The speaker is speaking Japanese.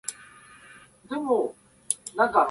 寒気がする